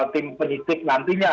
tim penyitik nantinya